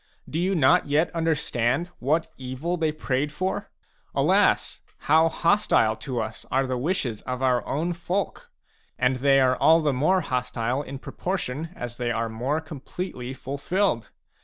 Do you not yet understand what evil they prayed for ? Alas, how hostile to us are the wishes of our own folk! And they are all the more hostile in proportion as they are more completely fulfilled.